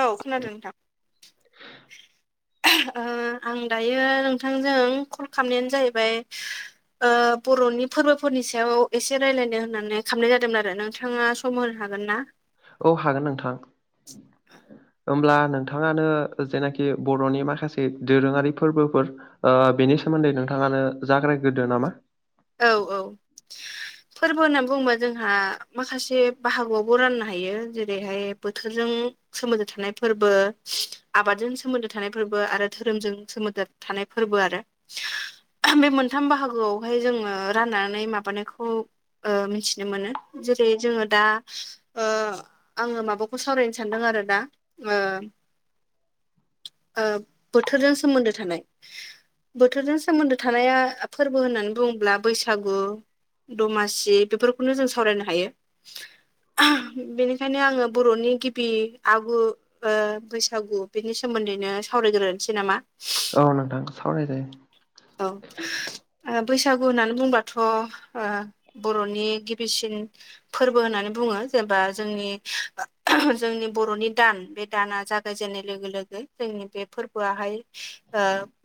औ, खोनादों नोंथां। ओ आं दायो नोंथांजों कल खालामनायानो जायैबाय ओ बर'नि फोरबोफोरनि सायाव एसे रायलायनो होननानै खालामनाय जादोंमोन आरो नोंथाङा सम होनो हागोन ना? औ, हागोन नोंथां। होमब्ला नोंथाङानो जेनाखि बर'नि माखासे दोरोङारि फोरबोफोर ओ बेनि सोमोन्दै नोंथाङानो जाग्रायगोरदो नामा। औ औ। [inaudible] फोरबो होननानै बुङोबा जोंहा माखासे बाहागोआवबो रान्नो हायो जेरैहाय बोथोरजों सोमोन्दो थानाय फोरबो आबादजों सोमोन्दो थानाय फोरबो आरो धोरोमजों सोमोन्दो थानाय फोरबो आरो। बे मोनथाम बाहागोआवहाय जोङो राननानै माबानायखौ ओ मिथिनो मोनो। जेरै जोङो दा ओ आङो माबाखौ सावरायनो सान्दों आरो दा ओ ओ बोथोरजों सोमोन्दो थानाय बोथोरजों सोमोन्दो थानाया फोरबो होननानै बुङोब्ला बैसागु, दमासि बेफोरखौनो जों सावरायनो हायो। बेनिखायनो आङो बर'नि गिबि आगु ओ बैसागु बेनि सोमोन्दैनो सावरायग्रोनसै नामा? औ, नोंथां सावराय जायो। औ, ओ बैसा गु होन्नानै बुंबाथ' ओ बर'नि गिबिसिन फोरबो होननानै बुङो जेनेबा जोंनि जोंनि बर'नि दान बे दाना जा जेन्नाय लोगो लोगो जोंनि बे फोरबोआ हाय ओ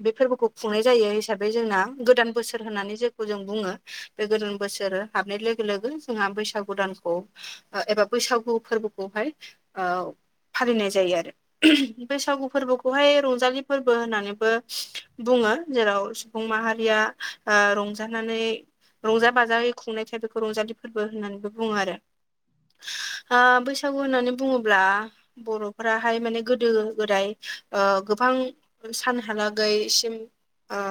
बे फोरबोखौ खुंनाय जायो हिसाबै जोंना गोदान बोसोर होन्नानै जे खै जों बुङो, बे गोदान बोसोर हाबनाय लोगो लोगो जोंहा बैसागु दानखौ ओ एबा बैसागु फोरबोखौहाय ओ फालिनाय जायो आरो। बैसागु फोरबोखौहाय रंजालि फोरबो होन्नानैबो बुङो जेराव सुबुं माहारिया ओ रं जानानै रंजा बाजायै खुंनायखाय बेखौ रंजालि फोरबो होन्नानैबो बुङो आरो। ओ बैसागु होननानै बुङोब्ला बर'फ्राहाय माने गोदो गोदाय ओ गोबां सानहालागैसिम ओ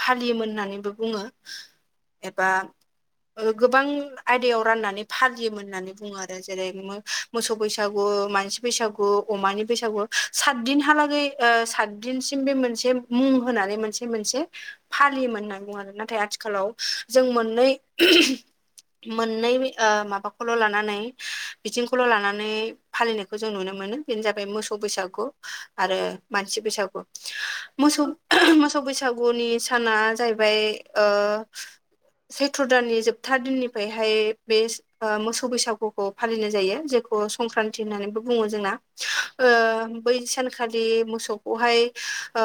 फालियोमोन होन्नानैबो बुङो एबा ओ गोबां आयदायाव राननानै फालियोमोन होननानै बुङो आरो जेरै नोङो मोसौ बैसागु, मानसि बैसागु, अमानि बैसागु सात दिनहालागै ओ सात दिनसिम बे मोनसे मुं होनानै मोनसे मोनसे फालियोमोन होनना बुङो आरो, नाथाय आथि खालाव जों मोन्नै मोन्नै ओ माबाखौल' लानानै बिथिंखौल' लानानै फालिनायखौ जों नुनो मोनो बेनो जाबाय मोसौ बैसागु आरो मानसि बैसागु। मोसौ मोसौ बैसागुनि साना जाहैबाय ओ सैत्र दाननि जोबथा दिननिफ्रायहाय बे ओ मोसौ बैसागुखौ फालिनाय जायो जेखौ संक्रान्ति होन्नानैबो बुङो जोंना। ओ बै सान खालि मोसौखौहाय ओ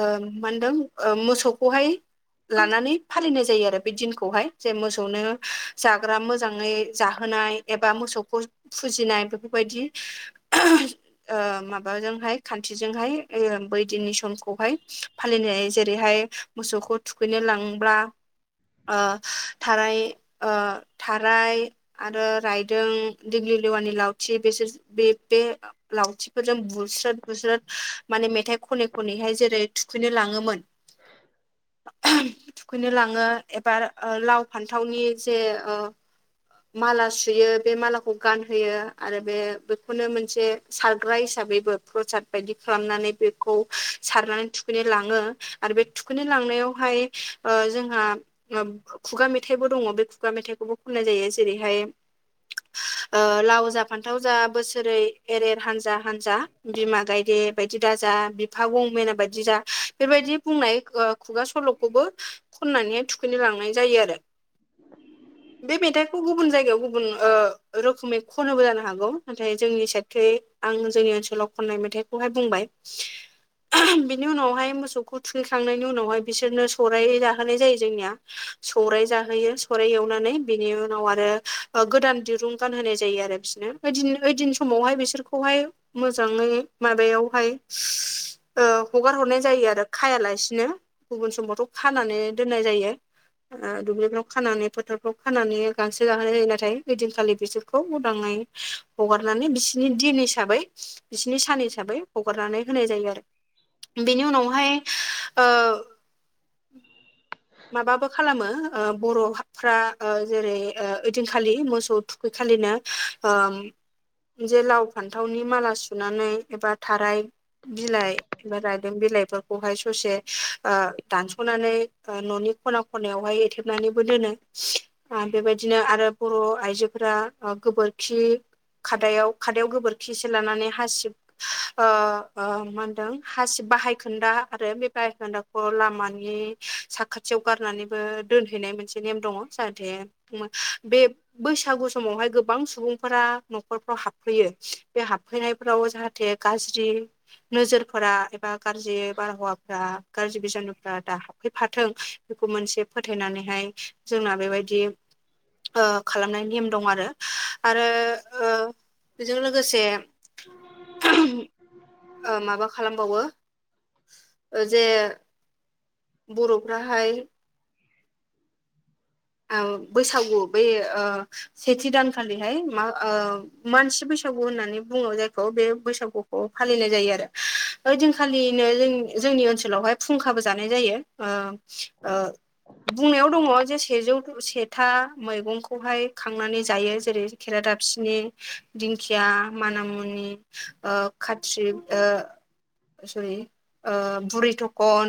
ओ मा होन्दों ओ मोसौखौहाय लानानै फालिनाय जायो आरो बे दिनखौहाय जे मोसौनो जाग्रा मोजाङै जाहोनाय एबा मोसौखौ फुजिनाय बेफोरबायदि ओ माबाजोंहाय खान्थिजोंहाय बै दिननि समखौहाय फालिनाय जेरैहाय मोसौखौ थुखैनो लांब्ला ओ थाराय ओ थाराय आरो रायदों दिगलिलिवानि लावथि बेसोर बे-बे लावथिफोरजों बुस्रोद बुस्रोद माने मेथाइ खनै खनैहाय जेरै थुखैनो लाङोमोन थुखैनो लाङो एबार लाव फान्थावनि जे ओ माला सुयो बे मालाखौ गानहोयो आरो बे बेखौनो मोनसे सारग्रा हिसाबैबो प्रसाद बायदि खालामनानै बेखौ सारनानै थुखैनो लाङो आरो बे थुखैै लांनायावहाय ओ जोंहा खुगा मेथाइबो दङ बे खुगा मेथाइखौबो खननाय जायो जेरैहाय ओ लाव जा फान्थाव जा बोसोरै एरेर हानजा हानजा बिमा गायदे बायदि दाज जा बिफा गंमना बायदि जा बेफोरबायदि बुंनाय खुगा सलखौबो खननानैहाय थुखैनो लांनाय जायो आरो। - [inaudible] बे मेथाइखौ गुबुन जायगायाव गुबुन ओ रोखोमै खनोबो जानो हागौ नाथाय जोंनि साइटखै आं जोंनि ओनसोलाव खननाय मेथाइखौहाय बुंबाय। - [inaudible] बिनि उनावहाय मोसौखौ थुखैखांनायनि उनावहाय बिसोरनो सौराय जाहोनाय जायो जोंनिया। सौराय जाहोयो सौराय एवनानै बिनि उनाव आरो ओ गोदान दिरुं गानहोनाय जायो आरो बिसिनो ओइदिन ओइदिन समावहाय बिसोरखौहाय मोजाङै माबायावहाय ओ हगार हरनाय जायो आरो खायालासिनो गुबुन समावथ' खानानै दोननाय जायो। ओ दुब्लिफ्राव खानानै फोथारफ्राव खानानै गांसो गाहोनाय जायो नाथाय ओइदिनखालि बिसोरखौ उदाङै हगारनानै बिसिनि दिन हिसाबै बिसिनि सान हिसाबै हगारनानै होनाय जायो आरो बेनि उनावहाय ओ माबाबो खालामो ओ बर'फ्रा ओ जेरै ओइदिनखालि मोसौ बेखालिनो ओम जे लाव फान्थावनि माला सुनानै एबा थाराय बिलाइ एबा रायदों बिलाइफोरखौहाय ससे ओ दानस'नानै ओ न'नि खना खनायावहाय एथेबनानैबो दोनो। आ बेबायदिनो आरो बर' आइजोफोरा गोबोरखि खादायाव खादायाव गोबोरखि एसे लानानै हासिब ओ ओ मा होनदों हासि बाहायखोन्दा आरो बे बाहायखोन्दाखौ लामानि साखाथियाव गारनानैबो दोनहैनाय मोनसे नेम दङ जाहाथे मो बे बैसागु समावहाय गोबां सुबुंफोरा नखरफ्राव हाबफैयो बे हाबफैनायफोराव जाहा थे गाज्रि नोजोरफोरा एबा गाज्रि बारहावाफ्रा गाज्रि बिजानुफ्रा दा हाबफैफाथों बेखौ मोनसे फोथायनानैहाय जोंना बेबायदि ओ खालामनाय निम दं आरो आरो ओ बेजों लोगोसे ओ माबा खालामबावो ओ जे बर'फ्रा हाय ओ बैसागु बे ओ सेथि दानखालिहाय मा ओ मानसि बैसागु होननानै बुङो जायखौ बे बैसागुखौ फालिनाय जायो आरो ओइ दिनखालिनो जों जोंनि ओनसोलावहाय फुंखाबो जानाय जायो। ओ ओ बुंनायाव दङ जे सेजौ सेथा मैगंखौहाय खांनानै जायो जेरै खेरादाबफिनि दिंखिया मानामुनि ओ खात्रि ओ है ओ बुरि थखन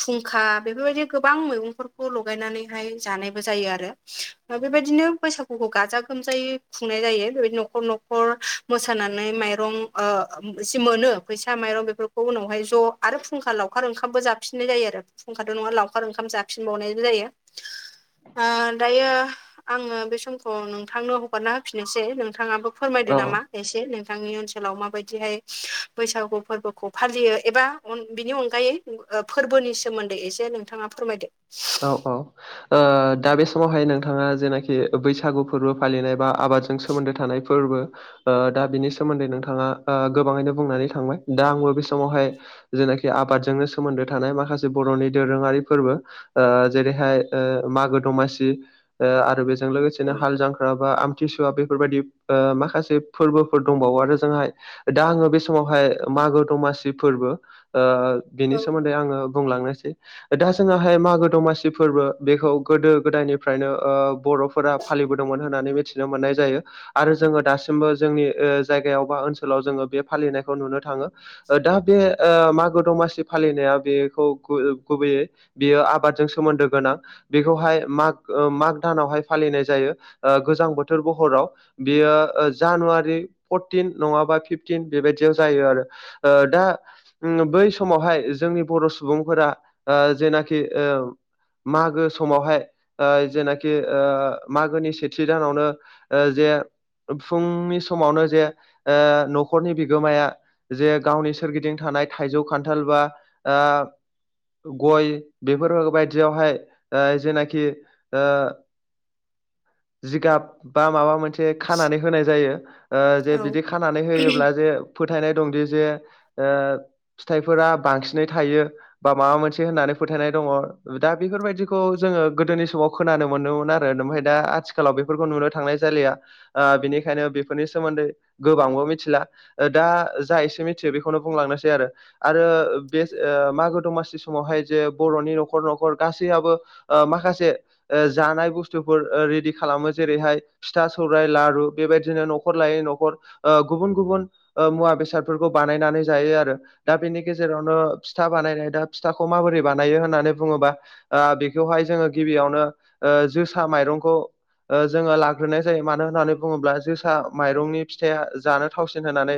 फुंखा बेफोरबायदि गोबां मैगंफोरखौ लगायनानै हाय जानायबो जायो आरो बेबायदिनो बैसागुखौ गाजा गोमजायै खुंनाय जायो बेबायदि नखर न मोसानानै माइरं ओ मोनो फैसा माइरं बे बे उनावहाय ज आरो फुंखा लावखार ओंखामबो जाफिननाय जायो आरो फुंखाथ नङा लावखार ओंखाम जाफिनबावनायबो जायो ओ दायो आङो बे समखौ नोंथांनो हगारना होफिनोसै नोंथाङाबो फोरमायदो औ नामा एसे नोंथांनि ओनसोलाव माबायदिहाय बैसागु फोरबोखौ फालियो एबा बिनि अनगायै फोरबोनि सोमोन्दै एसे नोंथाङा फोरमायदो औ औ ओ दा बे समावहाय नों जेनाखि बैसागु फोरबो फालिनाय बा आबादजों सोमोन्दो थानाय फोरबो ओ दा बिनि सोमोन्दै नोंथाङा ओ गोबाङैनो बुंनानै थांबाय दा आंबो बे समावहाय जेनाखि आबादजोंनो सोमोन्दो थानाय माखासे बर'निनि दोरोङारि फोरबो ओ जेरैहाय मागो दमासि आरो बेजों औ लोगोसेनो हाल जांख्रा बा आम सुवा बेफोरबायदि ओ माखासे फोरबोफोर दंबावो आरो जोंहाय दा आङो बे समावहाय मागो दमासि फोरबो ओ बेनि औ सोमोन्दै आङो बुंलांनोसै दा जोंङाहाय मागो दमासि फोरबो बेखौ गोदो गोदायनिफ्रायनो ओ बरफोरा फालिबोदोंमोन होननानै मिथिनो मोननाय जायो आरो जोङो दासिमबो जोंनि ओ जायगायाव बा ओनसोलाव जोङो बे फालिनायखौ नुनो थाङो दा बे ओ मागो दमासि फालिनाया बेखौ गुबैयै बेयो आबादजों सोमोन्दो गोनां बेखौहाय माग माग दानावहाय फालिनाय जायो ओ गोजां बोथोर बहराव बियो जानुवारि फरटिन नङाबा फिफटिन बेबायदियाव जायो आरो ओ दा बै समावहाय जोंनि बर सुबुंफोरा ओ जेनाखि ओ मागो समावहाय ओ जेनाखि ओ मागोनि सेथि दानावनो ओ जे फुंनि समावनो जे ओ नखरनि बिगोमाया जे गावनि सोरगिदिं थानाय थाइजौ खान्थाल बा ओ गय बेफोर बायदियावहाय ओ जेनाखि ओ जिगाब बा माबा मोनसे खानानै होनाय जायो ओ जे औ बिदि खानानै होयोब्ला जे फोथायनाय दंदि जे ओ फिथाइफोरा बांसिनै थायो बा माबा मोनसे होननानै फोथायनाय दङ दा बेफोरबायदिखौ जोङो गोदोनि समाव खोनानो मोनोमोन आरो ओमफ्राय दा आथिखालाव बे फोरखौ नुनो थांनाय जलिया ओ बिनिखायनो बेफोरनि सोमोन्दै गोबांबो मिथिला दा जा एसे मिथियो बेखौनो बुंलांनोसै आरो आरो बे मागो दमासि समावहाय जे बर'नि न'खर न'खर खर गासैयाबबो माखासे जानाय बुस्थुफोर रेडि खालामो जेरैहाय फिथा सौराइ लारु बेबायदिनो न'खर लायै न'खर गुबुन गुबुन मुवा बेसादफोरखौ बानायनानै जायो आरो दा बेनि गेजेरावनो फिथा बानायनाय दा फिथाखौ माबोरै बानायो होननानै बुङोबा आ बेखौहाय जोङो गिबियावनो जोसा माइरंखौ जोङो लाग्रोनाय जायो मानो होननानै बुङोब्ला जोसा माइरंनि फिथाइआ जानो थावसिन होननानै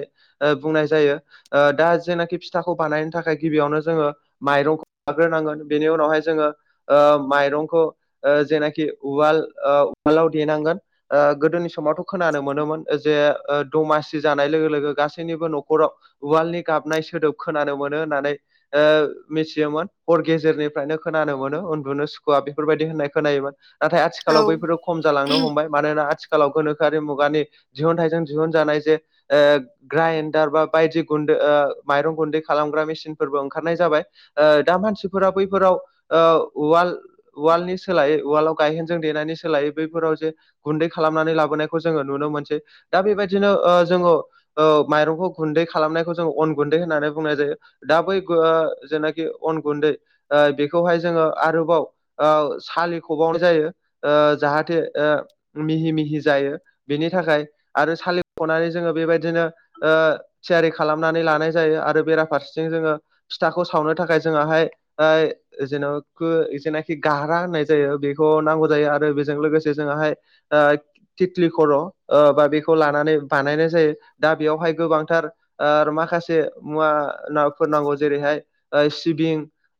बुंनाय जायो दा जेनाखि फिथाखौ बानायनो थाखाय गिबियावनो जोङो माइरंखौ लाग्रोनांगोन बेनि उनावहाय जोङो ओ माइरंखौ ओ जेनाखि उवाल उवालाव देनांगोन ओ गोदोनि समावथ' खोनानो मोनोमोन जे दमासि जानाय लोगो लोगो गासैनिबो न'खराव वाल्डनि गाबनाय सोदोब खोनानो मोनो होननानै ओ मिथियोमोन हर गेजेरनिफ्रायनो खोनानो मोनो उन्दुनो सुखुवा बेफोरबायाददि होननाय खोनायोमोन नाथाय औ आथिखालाव बैफोरो खम जालांनो हमबाय मानोना आथिखालाव गोनोखोआरि मुगानि दिहुनथाइजों दिहुनजानाय जे ग्राइडार बा बायदि गुन्दो ओ माइरं गुन्दै खालामग्रा मेसिनफोरबो ओंखारनाय जाबाय। ओ दा मानसिफोरा बैफोराव ओ उवाल उवालनि सोलायै उवालआव गायहेनजों देनानै सोलायै बैफोराव जे गुन्दै खालामनानै लाबोनायखौ जोङो नुनो मोनसै दा बेबायदिनो ओ जोङो ओ माइरंखौ गुन्दै खालामनायखौ जोङो अन गुन्दै होननानै बुंनाय जायो। दा बै गो ओ जेनाखि अन गुन्दै ओ बे खौहाय जोङो आरोबाव ओ सालिखबावनाय जायो ओ जाहाथे ओ मिहि मिहि जायो बेनि थाखाय आरो सालिख'नानै जोङो बेबायदिनो ओ थियारि खालामनानै लानाय जायो आरो बेराफारसेथिं जोङो फिथाखौ सावनो थाखाय जोङाहाय ओइ जेन' [unintelligible] जेनाखि गारहा होननाय जायो बेखौ नांगौ जायो आरो बेजों लोगोसे जोङाहाय ओ तिथलि खर' ओ बा बेखौ लानानै बानायनाय जायो दा बेयावहाय गोबांथार ओ आरो माखासे मुवा नावफोर नांगौ जेरैहाय ओ सिबिं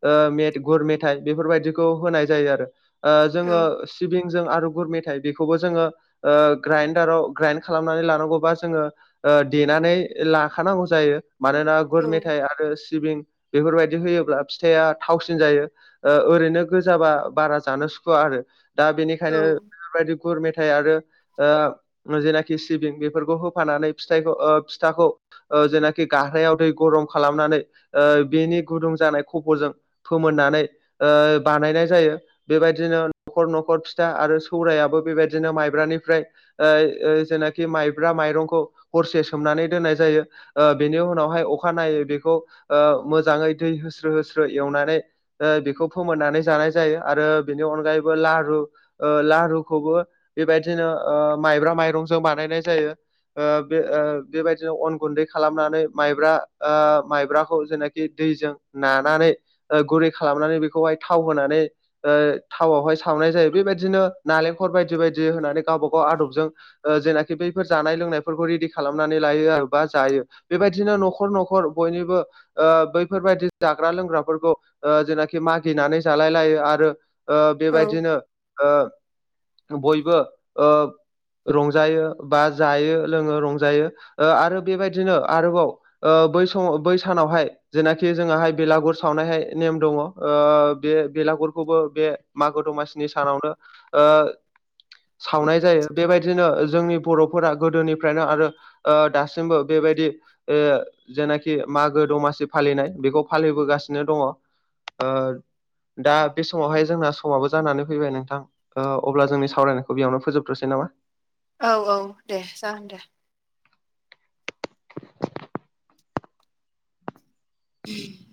ओ मेथ गुर मेथाइ बेफोरबायदिखौ होनाय जायो आरो ओ औ जोङो सिबिंजों आरो गुर मेथाइ बेखौबो जोङो ओ ग्राइडाराव ग्राइन्ड खालामनानै लानांगौबा जोङो ओ देनानै लाखानांगौ जायो मानोना गुर मेथाइ आरो सिबिं बेफोरबायदि होयोब्ला फिथाइया थावसि सिन जायो ओ ओरैनो गोजाबा बारा जानो सुखुवा आरो दा औ बेनिखायनो बेफोरबायदि गुर मेथाइ आरो ओ नुजेनाखि सिबिं बिफोरखौ होफानानै फिथाइखौ ओ फिथाखौ ओ जेनाखि गारहायाव दै गरम खालामनानै ओ बेनि गुदुं जानाय खफ'जों फोमोननानै ओ बानायनाय जायो। बेबायदिनो खर न'खर फिथा आरो सौरायाबो बेबायदिनो माइब्रानिफ्राय ओ ओ जेनाखि माइब्रा माइरंखौ हरसे सोमनानै दोननाय जायो। ओ बेनि उनावहाय अखानायै बेखौ ओ मोजाङै दै होस्रो होस्रो एवनानै ओ बिखौ फोमोननानै जानाय जायो आरो बेनि अनगायैबो लारु ओ लारुखौबो बेबायदिनो ओ माइब्रा माइरंजों बानायनाय जायो। ओ बे ओ बेबायदिनो अन गुन्दै खालामनानै माइब्रा ओ माइब्राखौ जेनाखि दैजों नानानै ओ गुरै खालामनानै बेखौहाय थाव होनानै ओ थाव आवहाय सावनाय जायो बेबायदिनो नालेंखर बायदि बायदि होनानै गावब गाव आदबजों ओ जेनाखि बैफोर जानाय लोंनायफोरखौ रेडि खालामनानै लायो आरो बा जायो। बेबायदिनो न'खर न'खर बयनिबो ओ बैफोरबायदि दाग्रा लोंग्राफोरखौ ओ जेनाखि मागिनानै जालाय लायो आरो ओ औ बेबायदिनो ओ बयबो ओ रंजायो बा जायो लोङो रंजायो ओ आरो बेबायदिनो आरोबाव ओ बै समाव बै सानावहाय जेनाखि जोङोहाय बेलागुर सावनायहाय नेम दङ ओ बे बेलागुरखौबो बे मागो दमासिनि सानावनो ओ सावनाय जायो बेबायदिनो जोंनि बर'फोरा गोदोनिफ्रायनो आरो ओ दासिमबो बेबायदि ओ जेनाखि मागो दमासि फालिनाय बेखौ फालिबोगासिनो दङ। ओ दा बे समावहाय जोंना समाबो जानानै फैबाय नोंथां। ओ अब्ला जोंनि सावरायनायखौ बेयावनो फोजोबथ'सै नामा? औ औ दे जागोन दे। [inaudible]